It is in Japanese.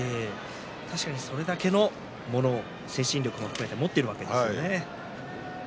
確かにそれだけのもの精神力を持っているわけですね。